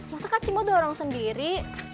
masa kak cimot udah orang sendiri